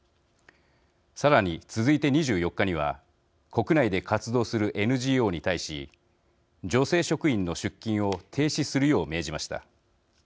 さらに、続いて２４日には国内で活動するＮＧＯに対し女性職員の出勤を停止するよう命じました。